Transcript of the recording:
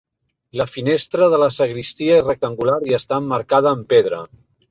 La finestra de la sagristia és rectangular i està emmarcada en pedra.